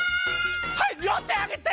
はいりょうてあげて！